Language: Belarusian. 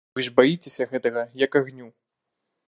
Вы ж баіцеся гэтага, як агню!